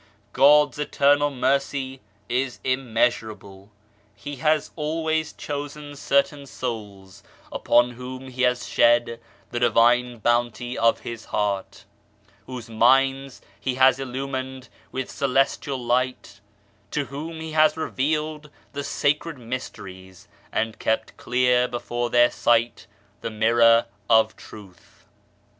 God's eternal Mercy is immeasurable. He has always INTERMEDIARY POWER 51 chosen certain souls upon whom He has shed the Divine Bounty of His heart, whose minds He has illumined with celestial light, to whom He has revealed the sacred mysteries, and kept clear before their sight the Mirror of Truth.